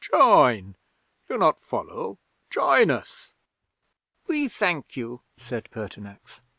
Join do not follow join us!" '"We thank you," said Pertinax.